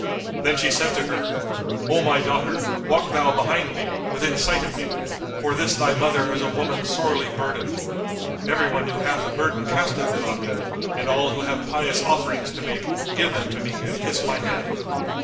Then she said to her, "O my daughter, walk thou behind me, within sight of me, for this thy mother is a woman sorely burdened; everyone who hath a burden casteth it on me and all who have pious offerings[FN#190] to make give them to me and kiss my hand."